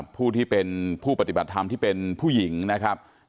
ผู้ที่เป็นผู้ปฏิบัติธรรมที่เป็นผู้หญิงนะครับ